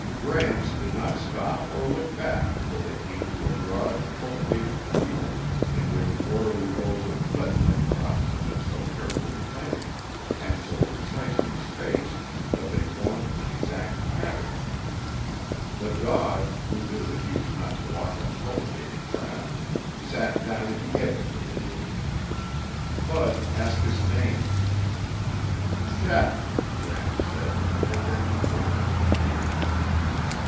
Gramps did not stop or look back until they came to a broad cultivated field in which orderly rows of fledgling crops had been so carefully planted and so precisely spaced that they formed an exact pattern. The dog, who knew that he was not to walk on cultivated ground, sat down at the edge of the field. Bud asked his name. "Shep," Gramps said, and then he pointed to the field.